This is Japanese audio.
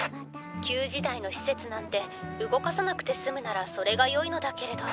旧時代の施設なんて動かさなくて済むならそれがよいのだけれど。